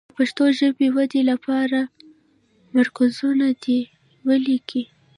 د پښتو ژبې ودې لپاره مرکزونه دې ولیکي.